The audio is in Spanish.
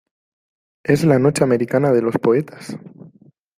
es la noche americana de los poetas.